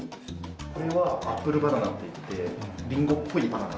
これはアップルバナナっていってリンゴっぽいバナナ。